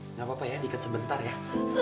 enggak apa apa ya diiket sebentar ya